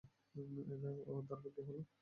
ওহ, তারপর কি হলো?